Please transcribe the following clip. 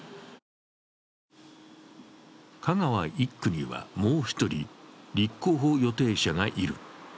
香川１区には、もう一人、立候補予定者がいる。